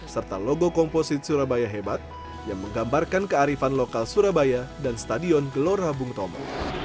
serta logo komposit surabaya hebat yang menggambarkan kearifan lokal surabaya dan stadion gelora bung tomo